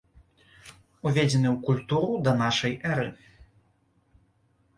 Уведзены ў культуру да нашай эры.